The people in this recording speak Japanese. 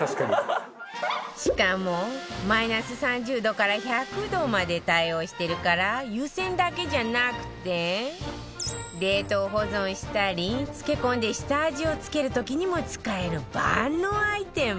しかもマイナス３０度から１００度まで対応してるから湯煎だけじゃなくて冷凍保存したり漬け込んで下味を付ける時にも使える万能アイテム